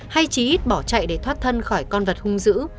hay chỉ ít bỏ chạy để thoát thân khỏi con vật hung dữ